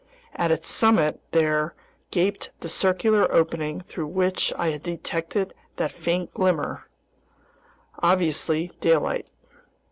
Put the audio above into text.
At its summit there gaped the circular opening through which I had detected that faint glimmer, obviously daylight.